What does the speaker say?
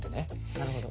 なるほど。